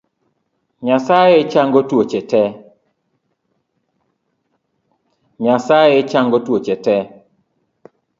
Nyasye chango tuoche te.